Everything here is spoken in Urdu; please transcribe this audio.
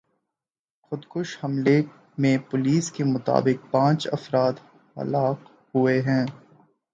خودکش حملے میں پولیس کے مطابق پانچ افراد ہلاک ہوئے ہیں